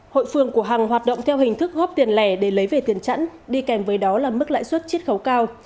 hội phương của hằng hoạt động theo hình thức góp tiền lẻ để lấy về tiền chẵn đi kèm với đó là mức lãi suất chiết khấu cao